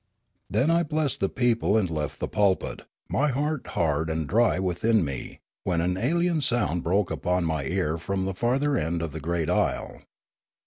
Then I blessed the people and left the pulpit, my heart hard and dry within me, when an alien sound broke upon my ear from the farther end of the great aisle.